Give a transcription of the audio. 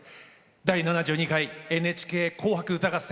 「第７２回ＮＨＫ紅白歌合戦」